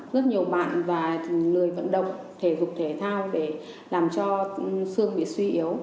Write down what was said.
rất nhiều bạn và lười vận động thể dục thể thao để làm cho xương bị suy yếu